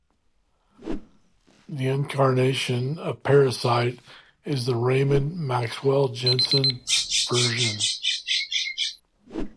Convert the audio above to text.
This incarnation of Parasite is the Raymond Maxwell Jensen version.